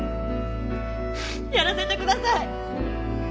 やらせてください。